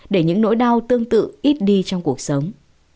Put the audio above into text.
để những nỗi đau tương tự ít đi trong cuộc sống